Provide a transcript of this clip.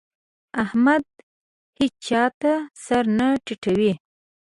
احمد هيچا ته سر نه ټيټوي.